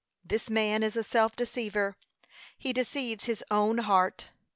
This man is a self deceiver; he deceives his own heart.